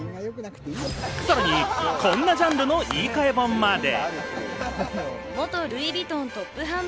さらに、こんなジャンルの言いかえ本まで。